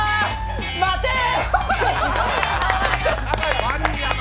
待てー！